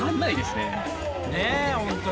ねえ本当に。